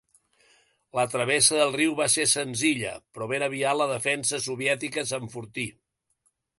La travessa del riu va ser senzilla, però ben aviat la defensa soviètica s'enfortí.